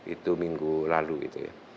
itu minggu lalu gitu ya